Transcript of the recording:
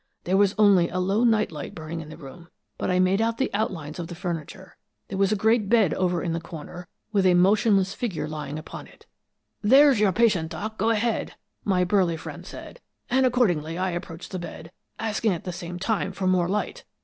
There was only a low night light burning in the room, but I made out the outlines of the furniture. There was a great bed over in the corner, with a motionless figure lying upon it. "'There's your patient, Doc; go ahead,' my burly friend said, and accordingly I approached the bed, asking at the same time for more light.